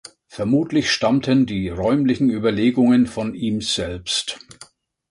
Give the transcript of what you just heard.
Vermutlich stammten die räumlichen Überlegungen von ihm selbst.